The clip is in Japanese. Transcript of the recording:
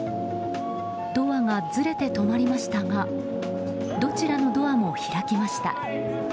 ドアがずれて止まりましたがどちらのドアも開きました。